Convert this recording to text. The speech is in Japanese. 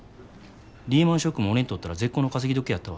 リーマンショックも俺にとったら絶好の稼ぎ時やったわ。